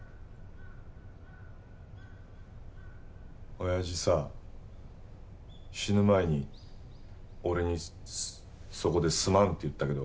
おやじさ死ぬ前に俺にそこで「すまん」って言ったけど。